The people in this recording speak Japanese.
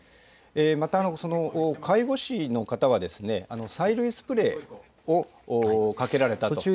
また、介護士の方は、催涙スプレーをかけられたと。